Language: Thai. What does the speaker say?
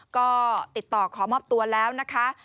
ก็ติดต่อขอมอบตัวแล้วนะคะ